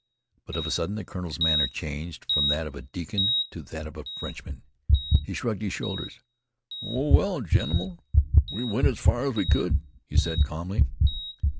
But of a sudden the colonel's manner changed from that of a deacon to that of a Frenchman. He shrugged his shoulders. "Oh, well, general, we went as far as we could," he said calmly.